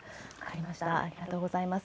ありがとうございます。